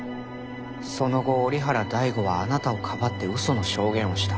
その後折原大吾はあなたをかばって嘘の証言をした。